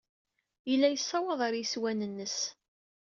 Yella yessawaḍ ɣer yeswan-nnes.